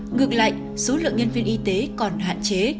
ngược lại số lượng nhân viên y tế còn hạn chế